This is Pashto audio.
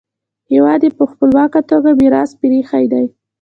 هېواد یې په خپلواکه توګه میراث پریښی دی.